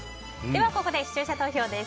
ここで視聴者投票です。